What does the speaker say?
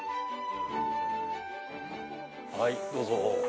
はい、どうぞ。